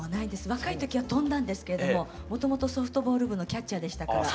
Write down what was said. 若い時は飛んだんですけれどももともとソフトボール部のキャッチャーでしたから。